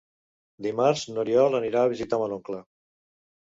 Dimarts n'Oriol anirà a visitar mon oncle.